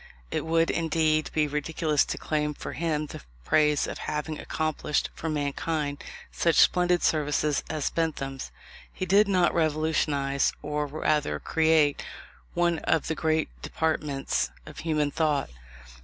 It would, indeed, be ridiculous to claim for him the praise of having accomplished for mankind such splendid services as Bentham's. He did not revolutionize, or rather create, one of the great departments of human thought.